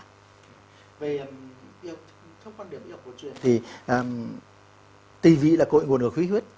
về theo quan điểm yêu của chuyện thì tùy vị là cội nguồn của khí huyết